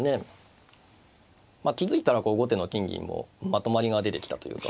気付いたら後手の金銀もまとまりが出てきたというか。